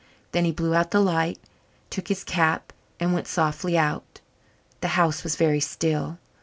Then he blew out the light, took his cap and went softly out. The house was very still.